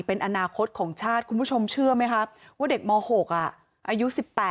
เป็นอนาคตของชาติคุณผู้ชมเชื่อไหมคะว่าเด็กม๖อายุ๑๘